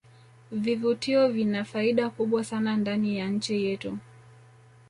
vivutio vina faida kubwa sana ndani ya nchi yetu